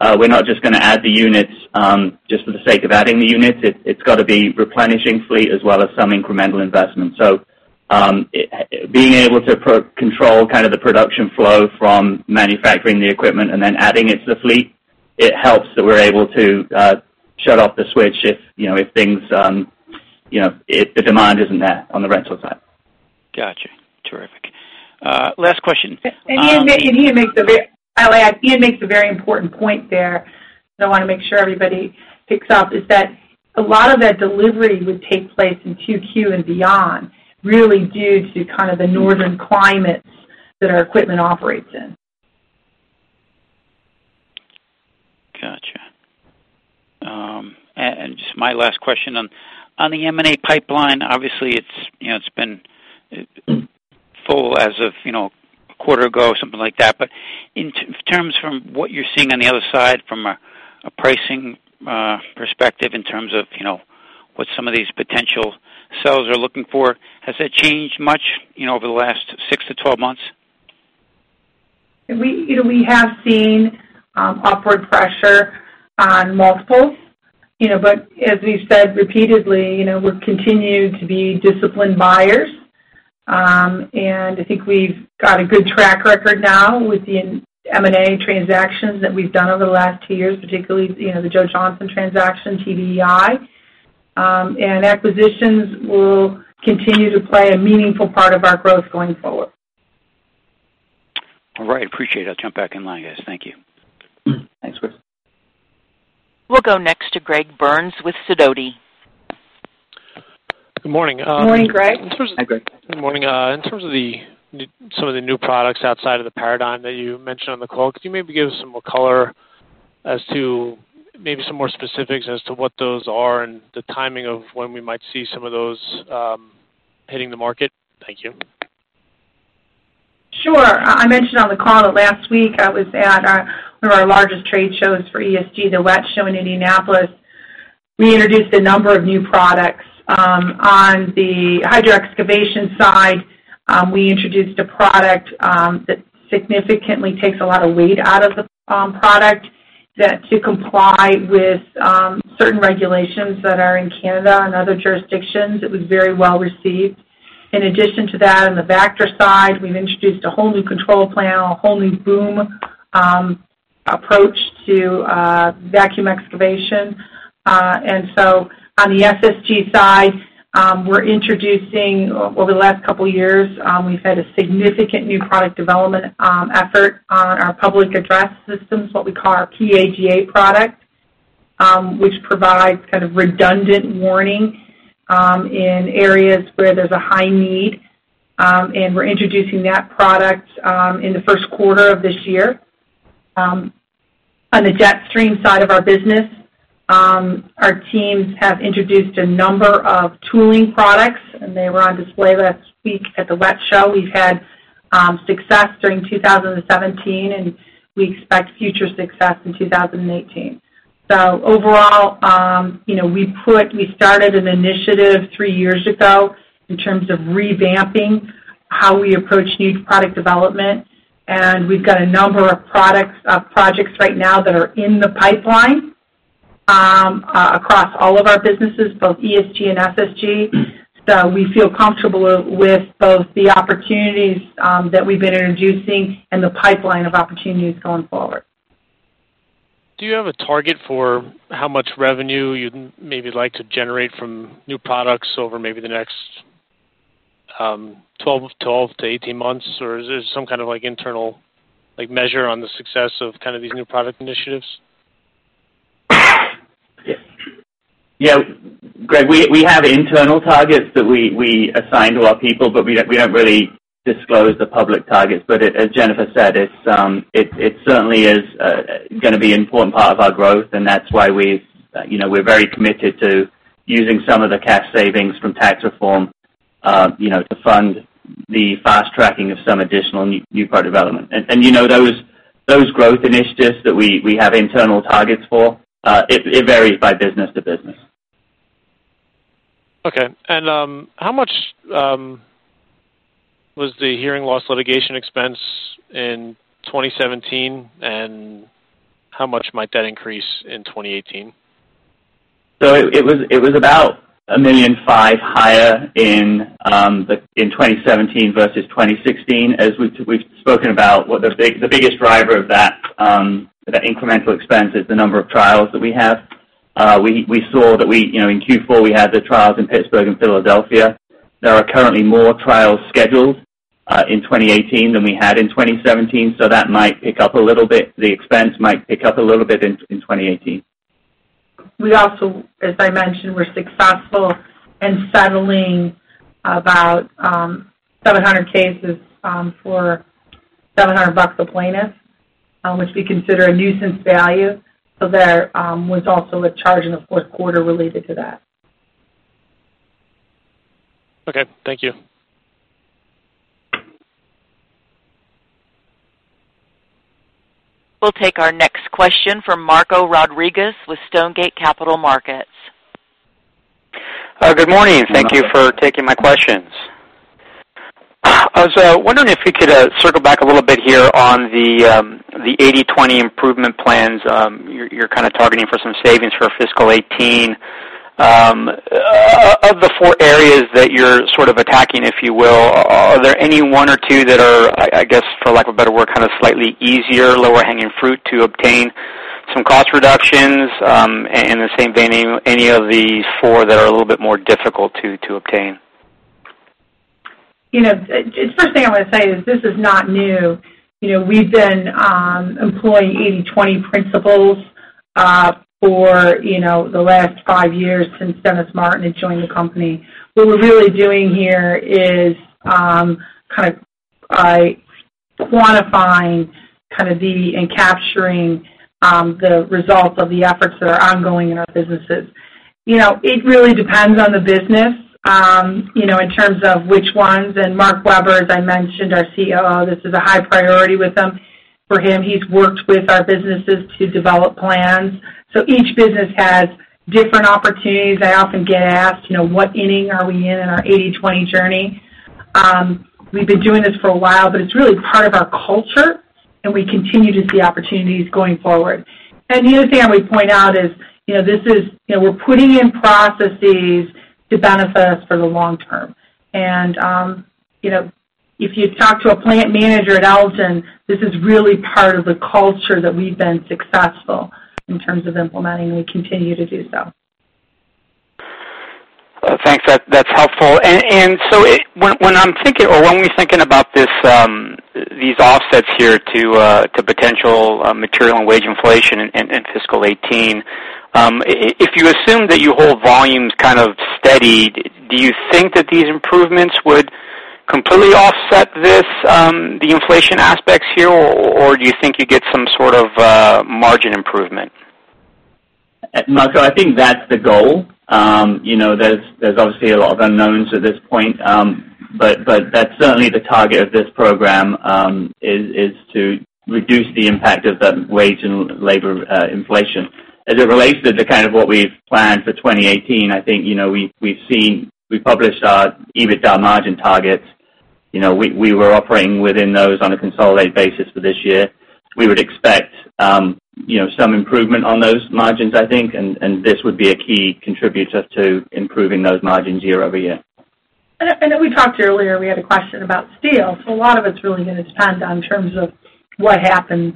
We're not just going to add the units just for the sake of adding the units. It's got to be replenishing fleet as well as some incremental investment. Being able to control kind of the production flow from manufacturing the equipment and then adding it to the fleet, it helps that we're able to shut off the switch if the demand isn't there on the rental side. Got you. Terrific. Last question. Ian makes a very important point there, so I want to make sure everybody picks up, is that a lot of that delivery would take place in 2Q and beyond, really due to kind of the northern climates that our equipment operates in. Got you. Just my last question on the M&A pipeline. Obviously, it's been full as of a quarter ago, something like that. In terms from what you're seeing on the other side from a pricing perspective in terms of what some of these potential sellers are looking for, has that changed much over the last 6-12 months? We have seen upward pressure on multiples. As we've said repeatedly, we'll continue to be disciplined buyers. I think we've got a good track record now with the M&A transactions that we've done over the last two years, particularly, the Joe Johnson transaction, TBEI. Acquisitions will continue to play a meaningful part of our growth going forward. All right. Appreciate it. I'll jump back in line, guys. Thank you. Thanks, Chris. We'll go next to Greg Burns with Sidoti. Good morning. Morning, Greg. Hi, Greg. Good morning. In terms of some of the new products outside of the Paradigm that you mentioned on the call, could you maybe give us some more color as to maybe some more specifics as to what those are and the timing of when we might see some of those hitting the market? Thank you. Sure. I mentioned on the call that last week I was at one of our largest trade shows for ESG, the WWETT show in Indianapolis. We introduced a number of new products. On the hydro-excavation side, we introduced a product that significantly takes a lot of weight out of the product to comply with certain regulations that are in Canada and other jurisdictions. It was very well received. In addition to that, on the Vactor side, we've introduced a whole new control panel, a whole new boom approach to vacuum excavation. On the SSG side, we're introducing, over the last couple of years, we've had a significant new product development effort on our public address systems, what we call our PAGA product, which provides kind of redundant warning in areas where there's a high need. We're introducing that product in the first quarter of this year. On the Jetstream side of our business, our teams have introduced a number of tooling products, and they were on display last week at the WWETT show. We've had success during 2017, and we expect future success in 2018. Overall, we started an initiative three years ago in terms of revamping how we approach new product development, and we've got a number of projects right now that are in the pipeline across all of our businesses, both ESG and SSG. We feel comfortable with both the opportunities that we've been introducing and the pipeline of opportunities going forward. Do you have a target for how much revenue you'd maybe like to generate from new products over maybe the next 12-18 months? Is there some kind of internal measure on the success of these new product initiatives? Yeah, Greg, we have internal targets that we assign to our people, we don't really disclose the public targets. As Jennifer said, it certainly is going to be an important part of our growth, and that's why we're very committed to using some of the cash savings from tax reform to fund the fast-tracking of some additional new product development. Those growth initiatives that we have internal targets for, it varies by business to business. Okay. How much was the hearing loss litigation expense in 2017, and how much might that increase in 2018? It was about $1.5 million higher in 2017 versus 2016. As we've spoken about, the biggest driver of that incremental expense is the number of trials that we have. We saw that in Q4, we had the trials in Pittsburgh and Philadelphia. There are currently more trials scheduled in 2018 than we had in 2017, that might pick up a little bit. The expense might pick up a little bit in 2018. We also, as I mentioned, were successful in settling about 700 cases for $700 a plaintiff, which we consider a nuisance value. There was also a charge in the fourth quarter related to that. Okay. Thank you. We'll take our next question from Marco Rodriguez with Stonegate Capital Markets. Good morning. Thank you for taking my questions. I was wondering if you could circle back a little bit here on the 80/20 improvement plans. You're kind of targeting for some savings for fiscal 2018. Of the four areas that you're sort of attacking, if you will, are there any one or two that are, I guess, for lack of a better word, kind of slightly easier, lower hanging fruit to obtain some cost reductions? In the same vein, any of the four that are a little bit more difficult to obtain? The first thing I want to say is this is not new. We've been employing 80/20 principles for the last five years since Dennis Martin had joined the company. What we're really doing here is kind of quantifying and capturing the results of the efforts that are ongoing in our businesses. It really depends on the business in terms of which ones. Mark Weber, as I mentioned, our COO, this is a high priority for him. He's worked with our businesses to develop plans. Each business has different opportunities. I often get asked, "What inning are we in in our 80/20 journey?" We've been doing this for a while, it's really part of our culture, we continue to see opportunities going forward. The other thing I would point out is, we're putting in processes to benefit us for the long term. If you talk to a plant manager at Alton, this is really part of the culture that we've been successful in terms of implementing, and we continue to do so. Thanks. That's helpful. When we're thinking about these offsets here to potential material and wage inflation in fiscal 2018, if you assume that you hold volumes kind of steady, do you think that these improvements would completely offset the inflation aspects here, or do you think you get some sort of margin improvement? Marco, I think that's the goal. There's obviously a lot of unknowns at this point. That's certainly the target of this program, is to reduce the impact of the wage and labor inflation. As it relates to the kind of what we've planned for 2018, I think we've published our EBITDA margin targets. We were operating within those on a consolidated basis for this year. We would expect some improvement on those margins, I think, and this would be a key contributor to improving those margins year-over-year. I know we talked earlier, we had a question about steel. A lot of it's really going to depend on in terms of what happens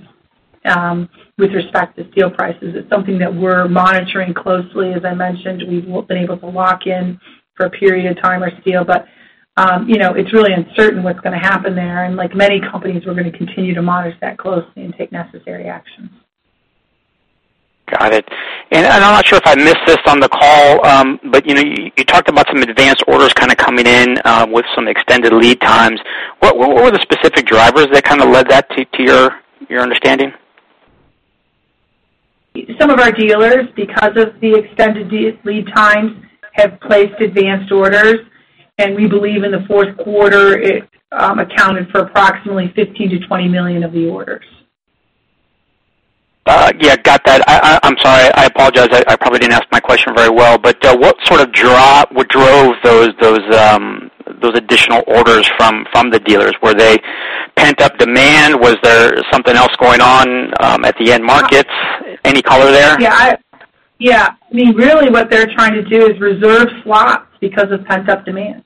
with respect to steel prices. It's something that we're monitoring closely. As I mentioned, we've been able to lock in for a period of time our steel. It's really uncertain what's going to happen there, and like many companies, we're going to continue to monitor that closely and take necessary action. Got it. I'm not sure if I missed this on the call. You talked about some advanced orders kind of coming in with some extended lead times. What were the specific drivers that kind of led that to your understanding? Some of our dealers, because of the extended lead times, have placed advanced orders. We believe in the fourth quarter, it accounted for approximately $15 million-$20 million of the orders. Yeah. Got that. I'm sorry. I apologize. I probably didn't ask my question very well. What sort of drove those additional orders from the dealers? Were they pent-up demand? Was there something else going on at the end markets? Any color there? Yeah. Really what they're trying to do is reserve slots because of pent-up demand.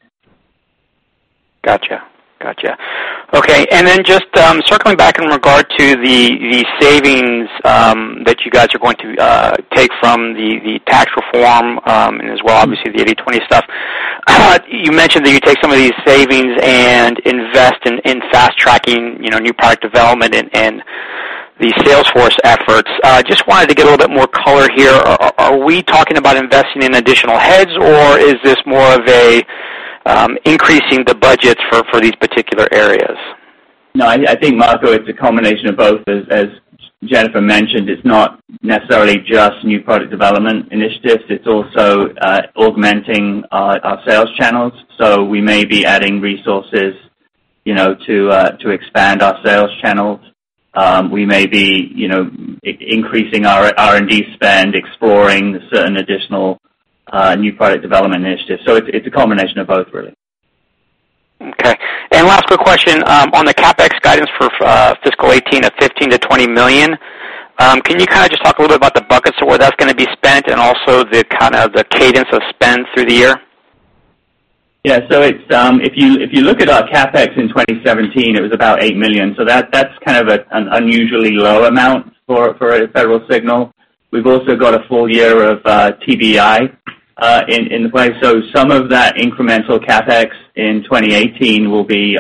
Got you. Okay. Just circling back in regard to the savings that you guys are going to take from the tax reform and as well, obviously the 80/20 stuff. You mentioned that you take some of these savings and invest in fast-tracking new product development and the sales force efforts. Just wanted to get a little bit more color here. Are we talking about investing in additional heads, or is this more of a increasing the budgets for these particular areas? No, I think, Marco, it's a combination of both. As Jennifer mentioned, it's not necessarily just new product development initiatives, it's also augmenting our sales channels. We may be adding resources to expand our sales channels. We may be increasing our R&D spend, exploring certain additional new product development initiatives. It's a combination of both, really. Okay. Last quick question. On the CapEx guidance for fiscal 2018 of $15 million-$20 million, can you kind of just talk a little bit about the buckets of where that's going to be spent and also the kind of the cadence of spend through the year? Yeah. If you look at our CapEx in 2017, it was about $8 million. That's kind of an unusually low amount for Federal Signal. We've also got a full year of TBEI in play. Some of that incremental CapEx in 2018 will be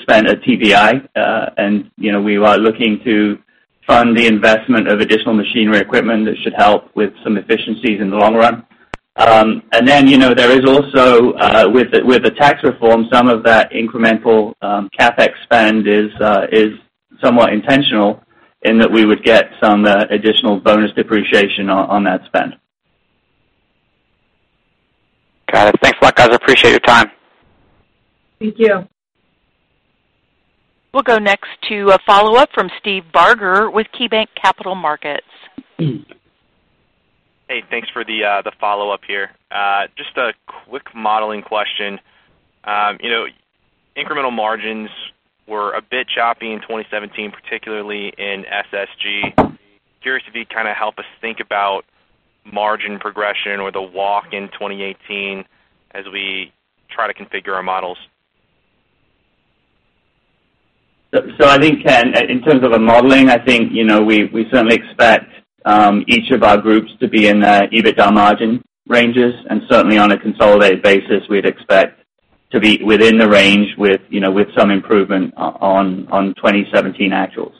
spent at TBEI. We are looking to fund the investment of additional machinery equipment that should help with some efficiencies in the long run. There is also, with the tax reform, some of that incremental CapEx spend is somewhat intentional in that we would get some additional bonus depreciation on that spend. Got it. Thanks, guys. I appreciate your time. Thank you. We'll go next to a follow-up from Ken Newman with KeyBanc Capital Markets. Hey, thanks for the follow-up here. Just a quick modeling question. Incremental margins were a bit choppy in 2017, particularly in SSG. Curious if you'd kind of help us think about margin progression with a walk in 2018 as we try to configure our models. I think in terms of the modeling, I think we certainly expect each of our groups to be in the EBITDA margin ranges, and certainly on a consolidated basis, we'd expect to be within the range with some improvement on 2017 actuals.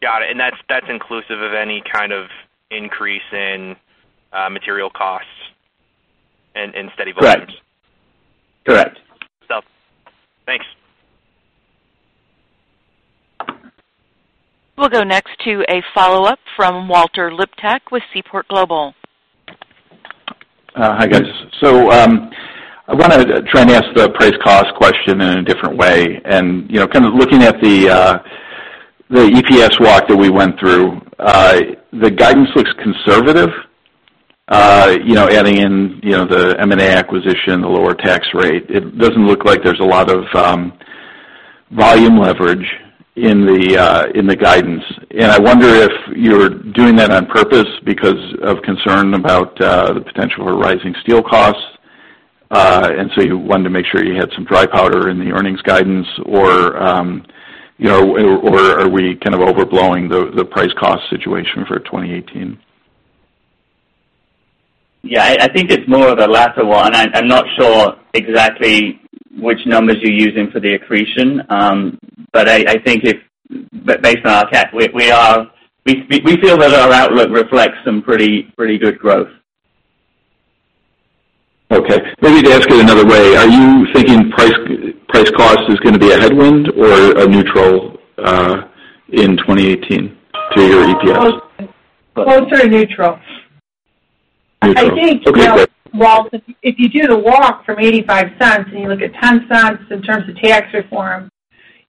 Got it. That's inclusive of any kind of increase in material costs and steady volumes? Correct. Thanks. We'll go next to a follow-up from Walter Liptak with Seaport Global. Hi, guys. I want to try and ask the price cost question in a different way. Kind of looking at the EPS walk that we went through, the guidance looks conservative, adding in the M&A acquisition, the lower tax rate. It doesn't look like there's a lot of volume leverage in the guidance. I wonder if you're doing that on purpose because of concern about the potential for rising steel costs, you wanted to make sure you had some dry powder in the earnings guidance, or are we kind of overblowing the price cost situation for 2018? Yeah, I think it's more of the latter one. I'm not sure exactly which numbers you're using for the accretion. I think based on our CapEx, we feel that our outlook reflects some pretty good growth. Okay. Maybe to ask it another way, are you thinking price cost is going to be a headwind or a neutral in 2018 to your EPS? Closer to neutral. Neutral. Okay, great. I think, Walt, if you do the walk from $0.85 and you look at $0.10 in terms of tax reform,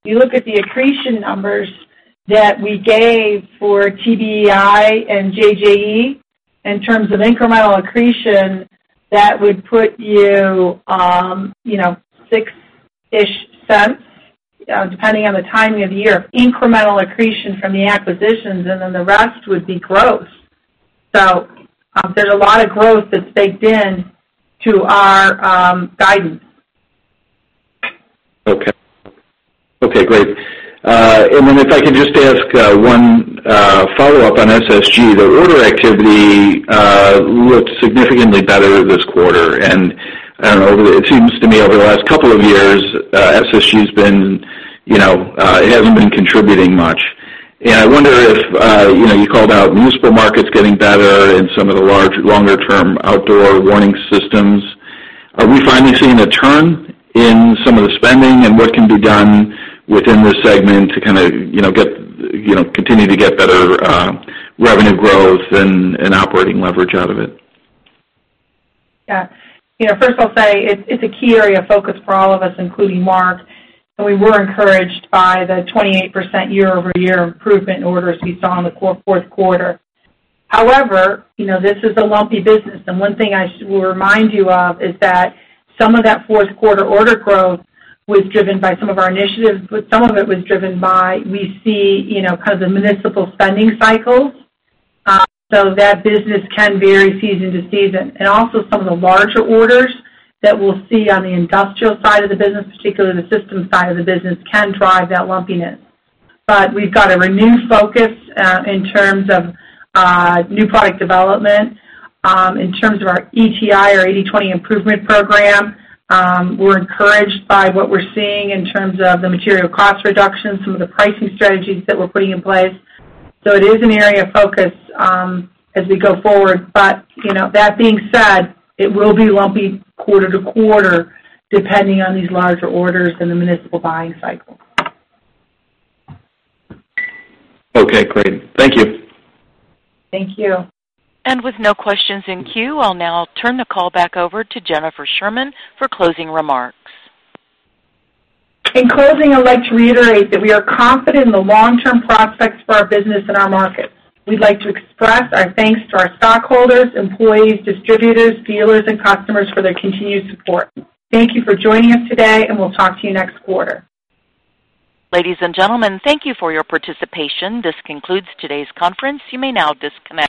you look at the accretion numbers that we gave for TBEI and JJE, in terms of incremental accretion, that would put you $0.06-ish, depending on the timing of the year, incremental accretion from the acquisitions, and then the rest would be growth. There's a lot of growth that's baked in to our guidance. Okay. Great. If I can just ask one follow-up on SSG. The order activity looked significantly better this quarter, and it seems to me over the last couple of years, SSG hasn't been contributing much. I wonder if you called out municipal markets getting better in some of the larger, longer term outdoor warning systems. Are we finally seeing a turn in some of the spending? What can be done within this segment to kind of continue to get better revenue growth and operating leverage out of it? Yeah. First I'll say it's a key area of focus for all of us, including Mark, and we were encouraged by the 28% year-over-year improvement in orders we saw in the fourth quarter. However, this is a lumpy business, one thing I will remind you of is that some of that fourth quarter order growth was driven by some of our initiatives, but some of it was driven by, we see kind of the municipal spending cycles. That business can vary season to season. Some of the larger orders that we'll see on the industrial side of the business, particularly the systems side of the business, can drive that lumpiness. We've got a renewed focus in terms of new product development, in terms of our ETI or 80/20 improvement program. We're encouraged by what we're seeing in terms of the material cost reductions, some of the pricing strategies that we're putting in place. It is an area of focus as we go forward. That being said, it will be lumpy quarter-to-quarter, depending on these larger orders and the municipal buying cycle. Okay, great. Thank you. Thank you. With no questions in queue, I'll now turn the call back over to Jennifer Sherman for closing remarks. In closing, I'd like to reiterate that we are confident in the long-term prospects for our business and our markets. We'd like to express our thanks to our stockholders, employees, distributors, dealers, and customers for their continued support. Thank you for joining us today, and we'll talk to you next quarter. Ladies and gentlemen, thank you for your participation. This concludes today's conference. You may now disconnect.